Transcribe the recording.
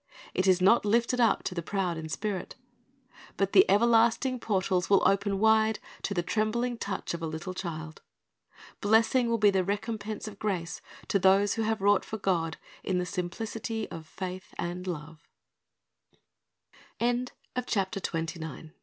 It is not lifted up to the proud in spirit. But the everlasting portals will open wide to the trembling touch of a little child. Blessed will be the recompense of grace to those who have wrought for God in the simplicity of